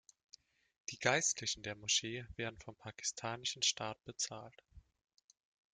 Die Geistlichen der Moschee werden vom pakistanischen Staat bezahlt.